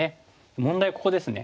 問題はここですね。